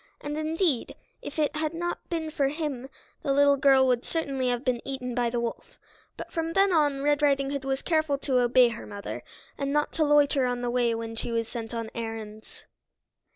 And indeed, if it had not been for him the little girl would certainly have been eaten by the wolf. But from then on Red Riding Hood was careful to obey her mother, and not to loiter on the way when she was sent on errands.